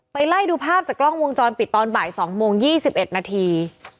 ไล่ดูภาพจากกล้องวงจรปิดตอนบ่าย๒โมง๒๑นาที